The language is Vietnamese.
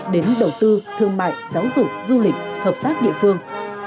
đến đầu tư thương mại giáo dục du lịch hợp tác địa phương